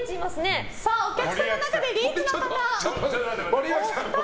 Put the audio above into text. お客さんの中でリーチの方お二人。